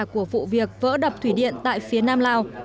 của vụ việc vỡ đập thủy điện tại phía nam lào